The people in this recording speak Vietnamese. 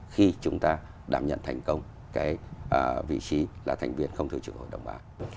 khi chúng ta đảm nhận thành công cái vị trí là thành viên không thừa chữ hội đồng bà an